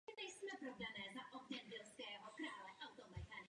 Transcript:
Hlavní centrála korporace se nachází v japonském Tokiu.